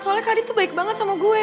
soalnya kak adit tuh baik banget sama gue